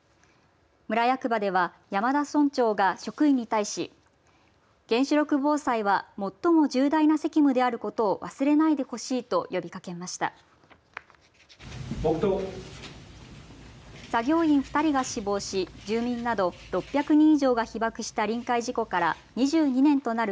村役場では山田村長が職員に対し原子力防災は最も重大な責務であることを忘れないでほしいと呼びかけました。